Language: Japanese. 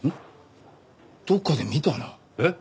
どっかで見たな。